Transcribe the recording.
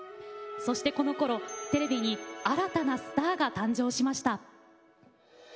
そしてこのころテレビに新たなスターが誕生しました。